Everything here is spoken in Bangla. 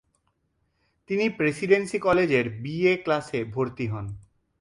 তিনি প্রেসিডেন্সী কলেজে বি এ ক্লাসে ভর্তি হন।